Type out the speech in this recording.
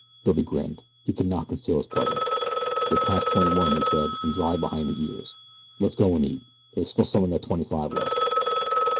Billy grinned. He could not conceal his pleasure. "You're past twenty one," he said, "an' dry behind the ears. Let's go an' eat. There is still some of that twenty five left."